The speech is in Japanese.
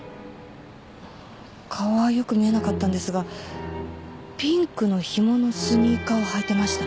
顔はよく見えなかったんですがピンクのひものスニーカーを履いてました。